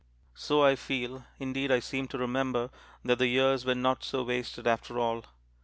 So I feel indeed, I seem to remember that the years were not so wasted after all.